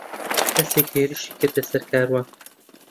کەسێک هێرشی کردە سەر کاروان.